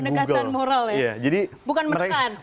pendekatan moral ya jadi bukan menekan